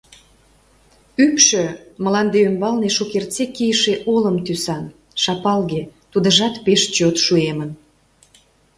Ӱпшӧ мланде ӱмбалне шукертсек кийыше олым тӱсан, шапалге, тудыжат пеш чот шуэмын.